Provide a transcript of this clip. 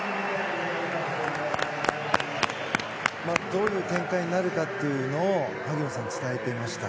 どういう展開になるかというのを、萩野さんは伝えてました。